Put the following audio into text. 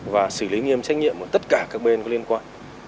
và xử lý nghiêm trách nhiệm của tất cả các bên có liên quan